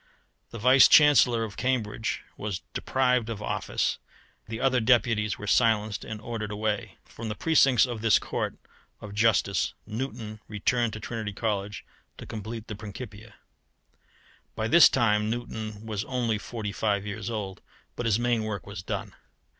The Vice Chancellor of Cambridge was deprived of office, the other deputies were silenced and ordered away. From the precincts of this court of justice Newton returned to Trinity College to complete the Principia. By this time Newton was only forty five years old, but his main work was done.